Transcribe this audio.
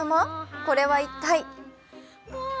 これは一体！